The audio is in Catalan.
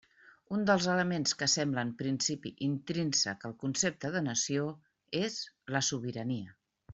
Un dels elements que sembla en principi intrínsec al concepte de nació és la sobirania.